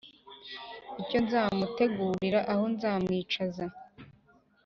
icyo nzamutegurira, aho nzamwicaza,